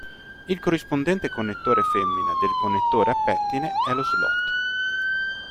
Il corrispondente connettore femmina del connettore a pettine è lo slot.